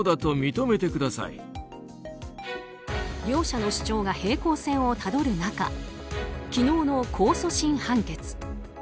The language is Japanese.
両者の主張が平行線をたどる中昨日の控訴審判決。